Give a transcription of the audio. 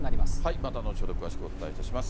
また後ほど、詳しくお伝えいたします。